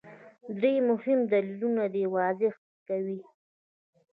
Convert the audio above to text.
درې مهم دلیلونه د دې وضاحت کوي.